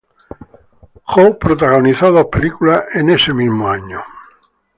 Jo protagonizó dos películas en ese mismo año.